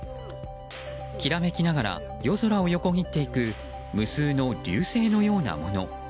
きらめきながら夜空を横切っていく無数の流星のようなもの。